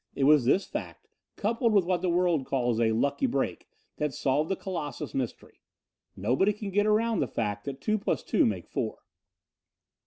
It was this fact, coupled with what the world calls a "lucky break," that solved the Colossus mystery. Nobody can get around the fact that two and two make four.